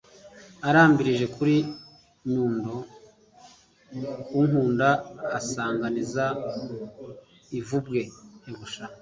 Arambirije kuri Nyundo, Unkunda asanganiza ivubwe,